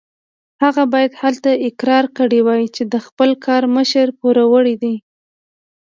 هغه باید هلته اقرار کړی وای چې د خپل کار مشر پوروړی دی.